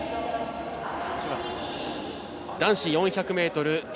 男子４００ｍＴ